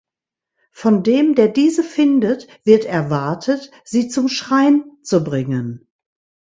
Von dem, der diese findet, wird erwartet, sie zum Schrein zu bringen.